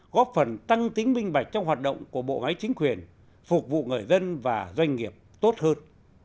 góp phần tăng tính minh bạch trong hoạt động của bộ máy chính quyền phục vụ người dân và doanh nghiệp tốt hơn